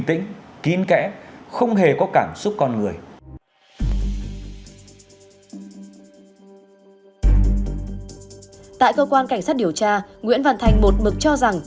tại cơ quan cảnh sát điều tra nguyễn văn thành một mực cho rằng